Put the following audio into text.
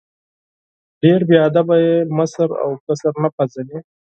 ډېر بې ادب یې ، مشر او کشر نه پېژنې!